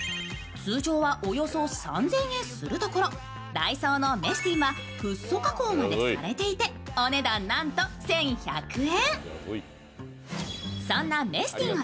通常はおよそ３０００円するところ、ダイソーのメスティンはフッ素加工までされていて、お値段なんと１１００円。